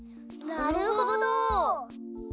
なるほど！